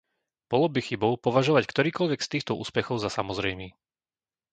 Bolo by chybou považovať ktorýkoľvek z týchto úspechov za samozrejmý.